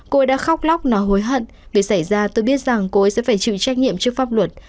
cô ấy đã khóc lóc nói hối hận vì xảy ra tôi biết rằng cô ấy sẽ phải chịu trách nhiệm trước pháp luật